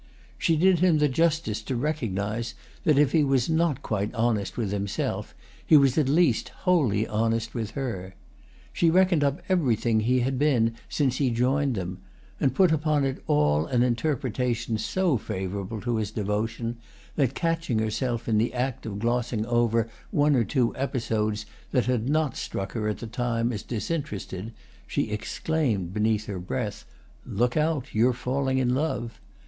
She did him the justice to recognise that if he was not quite honest with himself he was at least wholly honest with her. She reckoned up everything he had been since he joined them, and put upon it all an interpretation so favourable to his devotion that, catching herself in the act of glossing over one or two episodes that had not struck her at the time as disinterested she exclaimed, beneath her breath, "Look out—you're falling in love!"